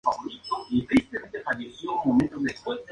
Ya existía en el antiguo Reino de Hungría.